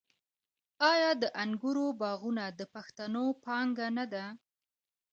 آیا د انګورو باغونه د پښتنو پانګه نه ده؟